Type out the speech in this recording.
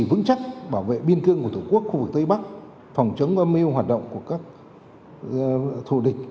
vững chắc bảo vệ biên cương của tổ quốc khu vực tây bắc phòng chống âm mưu hoạt động của các thù địch